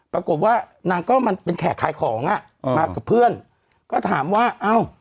ปรากฏว่านางก็มันเป็นแขกขายของอ่ะมากับเพื่อนก็ถามว่าเอ้า